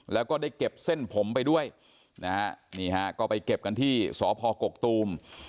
แล้วก็ได้เก็บเส้นผมไปด้วยนะฮะนี่ฮะก็ไปเก็บกันที่สพกกตูม